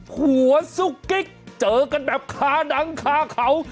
หัวซุกกิ๊กเจอกันแบบคาหนังคาเขา